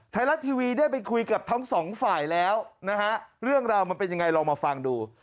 ไทยรัฐทีวีได้ไปคุยกับทั้งสองฝ่ายแล้วนะฮะเรื่องราวมันเป็นยังไงลองมาฟังดู